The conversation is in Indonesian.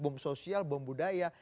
bom sosial bom budaya